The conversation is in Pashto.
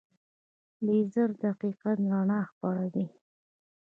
لیزر دقیقه رڼا خپروي.